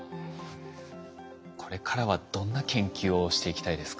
これからはどんな研究をしていきたいですか？